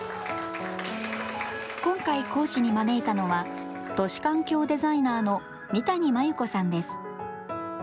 今回、講師に招いたのは都市環境デザイナーの三谷繭子さんです。